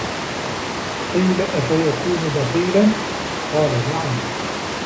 قِيلَ أَفَيَكُونُ بَخِيلًا ؟ قَالَ نَعَمْ